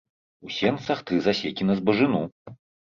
У сенцах тры засекі на збажыну.